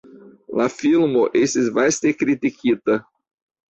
La filmo estis vaste kritikita.